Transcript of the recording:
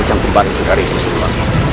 jangan kembali begitu ria